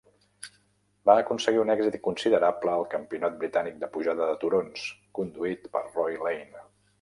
Va aconseguir un èxit considerable al Campionat britànic de pujada de turons, conduït per Roy Lane.